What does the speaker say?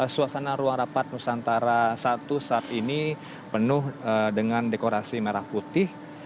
suasana ruang rapat nusantara i saat ini penuh dengan dekorasi merah putih